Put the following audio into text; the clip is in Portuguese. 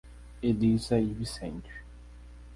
Elisa e Vicente